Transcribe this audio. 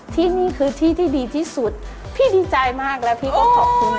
ที่นี่คือที่ที่ดีที่สุดพี่ดีใจมากแล้วพี่ก็ขอบคุณมาก